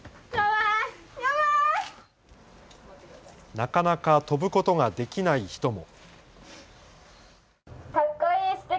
なかなか飛ぶことができない人も。